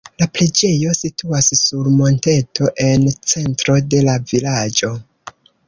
La preĝejo situas sur monteto en centro de la vilaĝo.